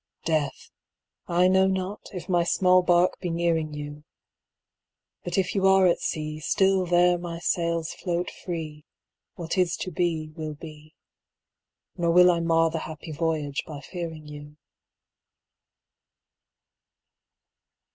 Death! I know not, if my small barque be nearing you; But if you are at sea, Still there my sails float free; 'What is to be will be.' Nor will I mar the happy voyage by fearing you.